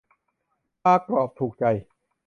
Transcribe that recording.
ปลากรอบถูกใจ